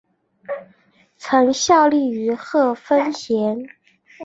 曾效力于贺芬咸。